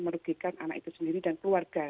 merugikan anak itu sendiri dan keluarga